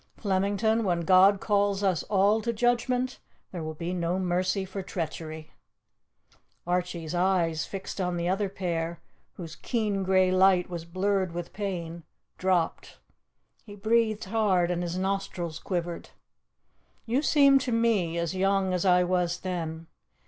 Flemington, when God calls us all to judgment, there will be no mercy for treachery." Archie's eyes, fixed on the other pair, whose keen grey light was blurred with pain, dropped. He breathed hard, and his nostrils quivered. "You seem to me as young as I was then.